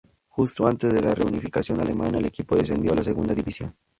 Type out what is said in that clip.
Justo antes de la Reunificación alemana el equipo descendió a la segunda división.